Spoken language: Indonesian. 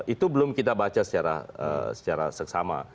itu belum kita baca secara seksama